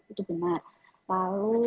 itu benar lalu